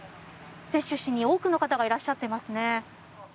接種しに多くの方がいらっしゃっていますね。